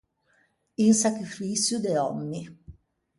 Un sagrifiçio de òmmi.